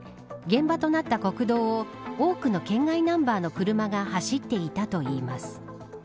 現場となった国道を多くの県外ナンバーの車が走っていたといいます。